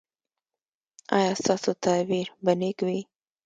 ایا ستاسو تعبیر به نیک نه وي؟